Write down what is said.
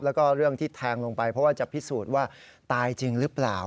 แล้วก็เรื่องที่แทงลงไปเพราะว่าจะพิสูจน์ว่าตายจริงหรือเปล่า